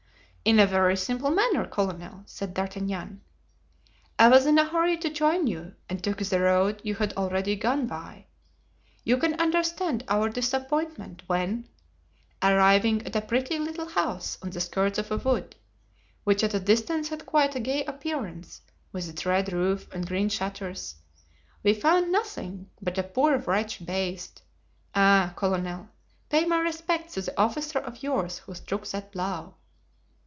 "In a very simple manner, colonel," said D'Artagnan. "I was in a hurry to join you and took the road you had already gone by. You can understand our disappointment when, arriving at a pretty little house on the skirts of a wood, which at a distance had quite a gay appearance, with its red roof and green shutters, we found nothing but a poor wretch bathed—Ah! colonel, pay my respects to the officer of yours who struck that blow."